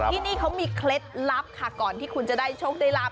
ที่นี่เขามีเคล็ดลับค่ะก่อนที่คุณจะได้โชคได้รับ